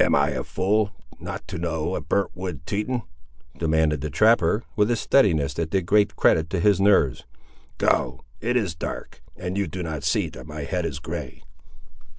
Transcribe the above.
"Am I a fool not to know a burnt wood Teton?" demanded the trapper, with a steadiness that did great credit to his nerves. "Go; it is dark, and you do not see that my head is grey!"